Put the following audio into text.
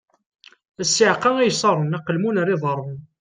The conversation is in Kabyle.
A ssiεqa ay iṣaṛen: aqelmun ar iḍaṛṛen!